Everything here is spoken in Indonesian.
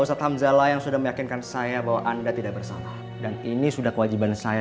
ustadz hamzala yang sudah meyakinkan saya bahwa anda tidak bersalah dan ini sudah kewajiban saya